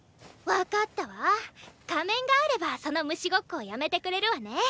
分かったわ仮面があればその虫ごっこをやめてくれるわね。